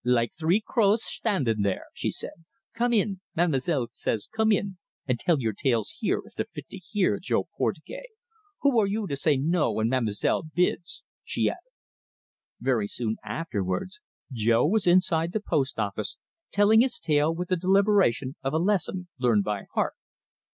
"Like three crows shtandin' there!" she said. "Come in ma'm'selle says come in, and tell your tales here, if they're fit to hear, Jo Portugais. Who are you to say no when ma'm'selle bids!" she added. Very soon afterwards Jo was inside the post office, telling his tale with the deliberation of a lesson learned by heart.